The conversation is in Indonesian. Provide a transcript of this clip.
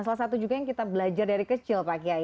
salah satu juga yang kita belajar dari kecil pak kiai